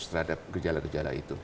terhadap gejala gejala itu